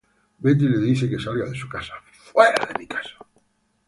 Betty le dice que salga de su casa.